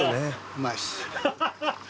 うまいっす。